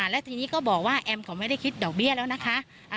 และทีนี้ก็บอกว่าแอมเขาไม่ได้คิดดอกเบี้ยแล้วนะคะ